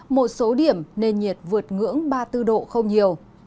một số điểm nền nhiệt vượt ngưỡng ba mươi bốn độ không nhiều